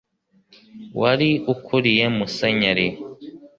wari ukuriye musenyeri